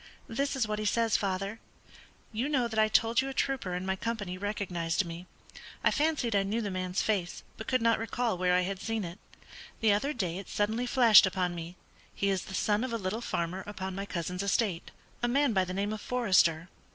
"This is what he says, father: 'You know that I told you a trooper in my company recognised me. I fancied I knew the man's face, but could not recall where I had seen it. The other day it suddenly flashed upon me; he is the son of a little farmer upon my cousin's estate, a man by the name of Forester.